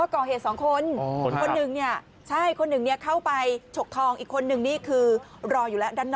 เกาะเหตุ๒คนคนหนึ่งเข้าไปชกทองอีกคนหนึ่งคือรออยู่แล้วด้านนอก